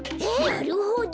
なるほど！